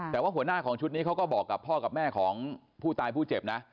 แต่ว่าหัวหน้าของชุดนี้เขาก็บอกกับพ่อกับแม่ของผู้ตายผู้เจ็บนะ